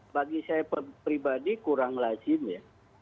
bagi saya pribadi kurang lazim ya